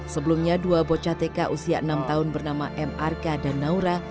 sebelumnya dua bocah tk usia enam tahun bernama m arka dan naura